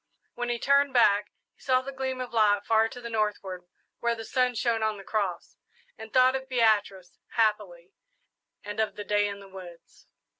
When he turned back, he saw the gleam of light far to the northward, where the sun shone on the cross, and thought of Beatrice, happily, and of the day in the woods.